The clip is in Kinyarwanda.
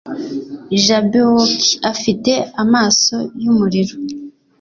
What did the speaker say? Jabberwock afite amaso yumuriro